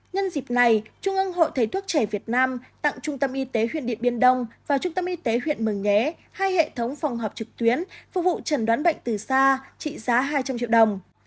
nhân dịp này trung ương hội thầy thuốc trẻ việt nam tặng trung tâm y tế huyện điện biên đông và trung tâm y tế huyện mường nhé hai hệ thống phòng họp trực tuyến phục vụ trần đoán bệnh từ xa trị giá hai trăm linh triệu đồng